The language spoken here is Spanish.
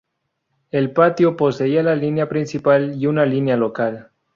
El patio poseía la línea principal y una línea local.